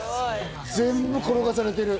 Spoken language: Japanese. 全部転がされてる。